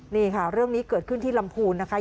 นี่ค่ะเรื่องนี้เกิดขึ้นที่ลำพูนนะคะ